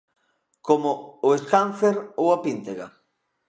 Como o escáncer ou a píntega.